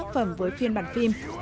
phẩm với phiên bản phim